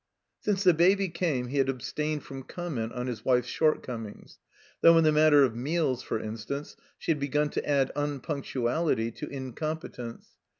Since the Baby came he had abstained from com ment on his wife's shortcomings; though in the matter of meals, for instance, she had begun to add unpimctuality to incompetence.